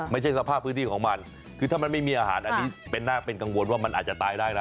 ไม่ใช่สภาพพื้นที่ของมันคือถ้ามันไม่มีอาหารอันนี้เป็นน่าเป็นกังวลว่ามันอาจจะตายได้นะ